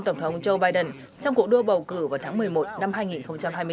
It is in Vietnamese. tổng thống joe biden trong cuộc đua bầu cử vào tháng một mươi một năm hai nghìn hai mươi bốn